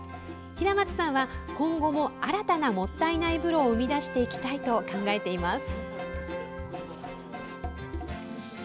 平松さんは、今後も新たなもったいない風呂を生み出していきたいと考えています。